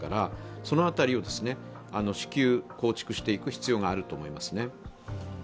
その辺りを至急構築していく必要があると思います。